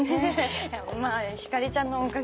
ひかりちゃんのおかげ。